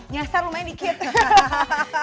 nyesel lumayan dikit